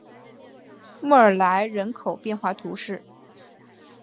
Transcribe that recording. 莫尔莱人口变化图示